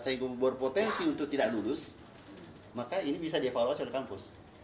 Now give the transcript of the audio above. sehingga membuat potensi untuk tidak lulus maka ini bisa dievaluasi oleh kampus